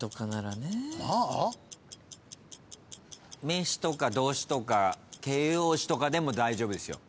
名詞とか動詞とか形容詞とかでも大丈夫ですよ。